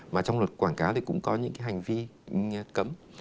mà trong luật quảng cáo thì cũng có những cái hành vi cấm